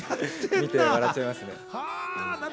見て笑っちゃいますね。